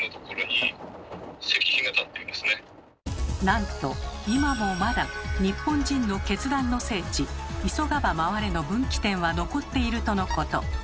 なんと今もまだ日本人の決断の聖地急がば回れの分岐点は残っているとのこと。